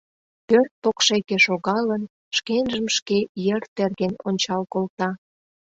Пӧрт покшеке шогалын, шкенжым шке йыр терген ончал колта.